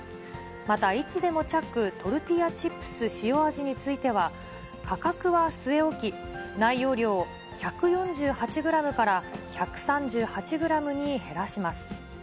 また、いつでもチャックトルティアチップス塩味については、価格は据え置き、内容量１４８グラムから１３８グラムに減らします。